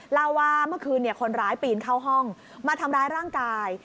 เล่าว่าเมื่อคืนคนร้ายปีนเข้าห้องมาทำร้ายร่างกาย